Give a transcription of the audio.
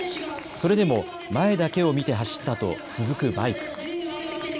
それでも前だけを見て走ったと続くバイク。